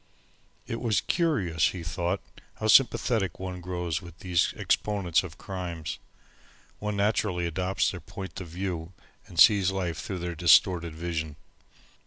It was curious, he thought, how sympathetic one grows with these exponents of crimes. One naturally adopts their point of view and sees life through their distorted vision.